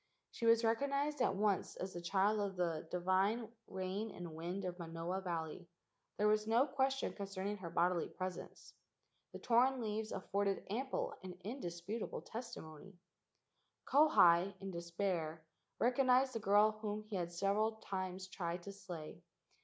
She was recognized at once as the child of the divine rain and wind of Manoa Valley. There was no question concerning her bodily presence. The torn leaves afforded ample and indisputable testimony. 9 2 LEGENDS OF GHOSTS Kauhi, in despair, recognized the girl whom he had several times tried to slay.